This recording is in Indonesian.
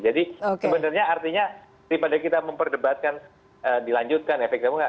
jadi sebenarnya artinya daripada kita memperdebatkan dilanjutkan efektifnya apa enggak